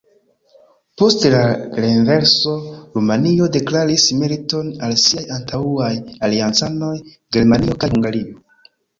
Post la renverso Rumanio deklaris militon al siaj antaŭaj aliancanoj Germanio kaj Hungario.